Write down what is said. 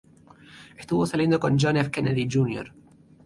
Estuvo saliendo con John F. Kennedy, Jr.